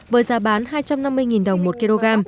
với giá bán hai trăm năm mươi đồng một kg